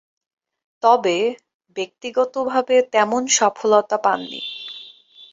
তবে, ব্যক্তিগতভাবে তেমন সফলতা পাননি।